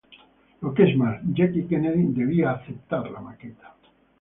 Lo que es más, Jackie Kennedy debía aceptar la maqueta.